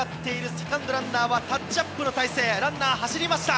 セカンドランナーはタッチアップの体勢、ランナー走りました。